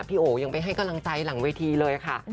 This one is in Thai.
โอยังไปให้กำลังใจหลังเวทีเลยค่ะ